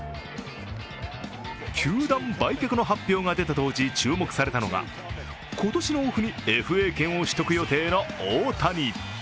球団売却の発表が出た当時、注目されたのが今年のオフにＦＡ権を取得予定の大谷。